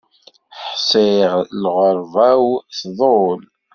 Ḥṣiɣ lɣerba-w tḍul.